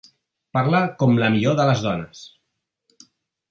Parla com la millor de les dones!